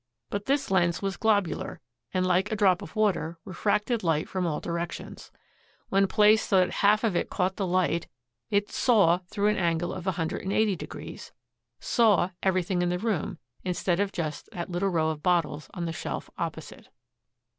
But this lens was globular, and, like a drop of water, refracted light from all directions. When placed so that half of it caught the light it "saw" through an angle of 180 degrees, "saw" everything in the room instead of just that little row of bottles on the shelf opposite.